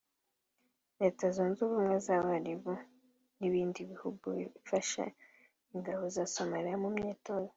Leta Zunze Ubumwe z’Abarabu n’ibindi bihugu bifasha ingabo za Somalia mu myitozo